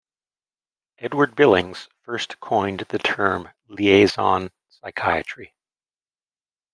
Edward Billings first coined the term liaison psychiatry.